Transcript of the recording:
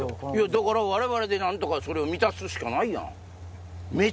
だから我々で何とかそれを満たすしかないやん。